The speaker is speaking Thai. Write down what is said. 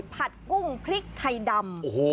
กุ้งพริกไทยดำ